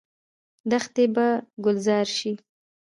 دښتې به ګلزار شي؟